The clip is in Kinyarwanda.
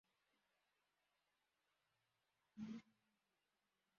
Umugore wo muri Aziya wambaye ishati yijimye hamwe nipantaro yumwenda